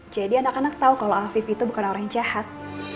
jadi anak anak tau kalo afif itu bukan orang yang jahat